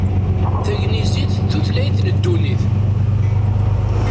Tagnizit d tutlayt n ddunit.